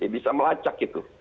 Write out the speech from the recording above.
ya bisa melacak gitu